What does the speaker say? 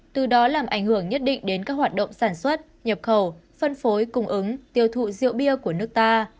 từ đó làm ảnh hưởng nhất định đến các hoạt động sản xuất nhập khẩu phân phối cung ứng tiêu thụ rượu bia của nước ta